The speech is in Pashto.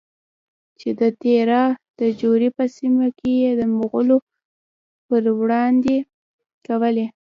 چې د تیرا د چورې په سیمه کې یې د مغولو پروړاندې کولې؛